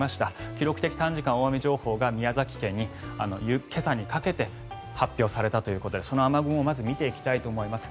記録的短時間大雨情報が宮崎県に今朝にかけて発表されたということでその雨雲をまず見ていきたいと思います。